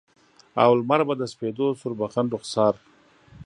او لمر به د سپیدو سوربخن رخسار